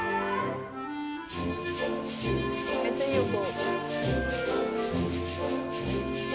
めっちゃいい音。